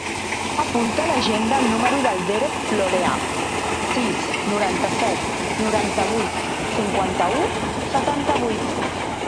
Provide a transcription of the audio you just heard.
Apunta a l'agenda el número del Derek Florea: sis, noranta-set, noranta-vuit, cinquanta-u, setanta-vuit.